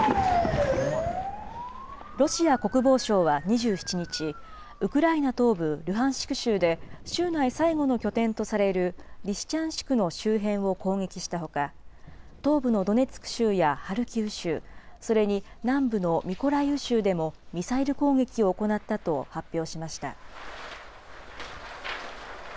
ロシア国防省は２７日、ウクライナ東部ルハンシク州で、州内最後の拠点とされるリシチャンシクの周辺を攻撃したほか、東部のドネツク州やハルキウ州、それに南部のミコライウ州でも、ミサイル攻撃を行ったと発表しました。